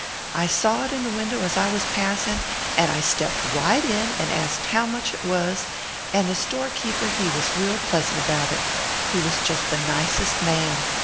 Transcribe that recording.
I saw it in the window as I was passing, and I stepped right in and asked how much it was, and the store keeper he was real pleasant about it. He was just the nicest man.